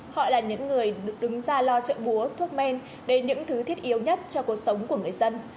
họ là những người được đứng ra lo trợ búa thuốc men để những thứ thiết yếu nhất cho cuộc sống của người dân